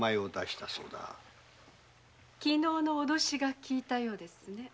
昨日の脅しが利いたようですね。